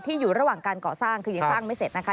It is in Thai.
อยู่ระหว่างการก่อสร้างคือยังสร้างไม่เสร็จนะคะ